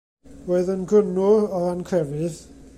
Roedd yn Grynwr, o ran crefydd.